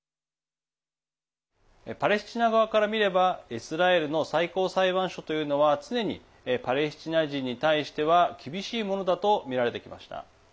パレスチナ側から見ればイスラエルの最高裁判所というのは常にパレスチナ人に対しては厳しいものだとみられてきました。